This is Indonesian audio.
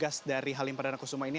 jadi petugas dari halim perdana kusuma ini